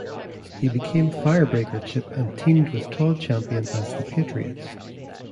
He became Firebreaker Chip and teamed with Todd Champion as The Patriots.